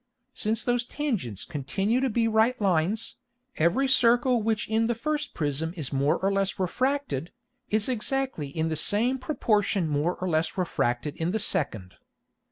Since those Tangents continue to be right Lines, every Circle which in the first Prism is more or less refracted, is exactly in the same proportion more or less refracted in the second.